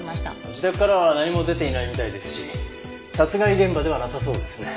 自宅からは何も出ていないみたいですし殺害現場ではなさそうですね。